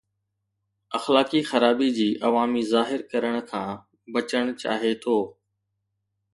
اخلاقي خرابي جي عوامي ظاهر ڪرڻ کان بچڻ چاهي ٿو